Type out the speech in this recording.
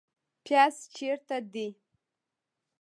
پیاز چیرته دي؟